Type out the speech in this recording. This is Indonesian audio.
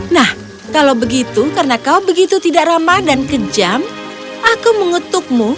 nah kalau begitu karena kau begitu tidak ramah dan kejam aku mengetukmu